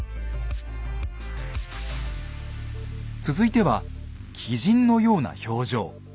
続いては鬼神のような表情。